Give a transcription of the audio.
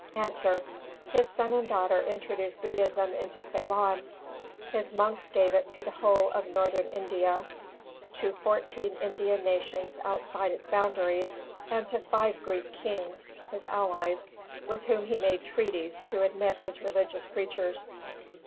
_ A. His son and daughter introduced Buddhism into Ceylon: his monks gave it to the whole of Northern India, to fourteen Indian nations outside its boundaries, and to five Greek kings, his allies, with whom he made treaties to admit his religious preachers.